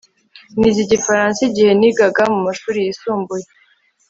Nize Igifaransa igihe nigaga mu mashuri yisumbuye